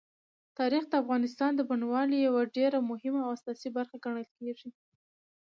تاریخ د افغانستان د بڼوالۍ یوه ډېره مهمه او اساسي برخه ګڼل کېږي.